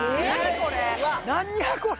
これ。